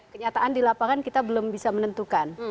kenyataan di lapangan kita belum bisa menentukan